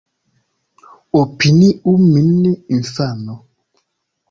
Opiniu min infano.